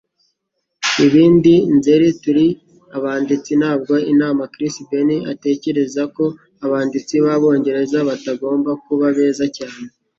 Ibindi ... Nzeri Turi abanditsi, Ntabwo Intama Chris Baines atekereza ko abanditsi b'Abongereza batagomba kuba beza cyane.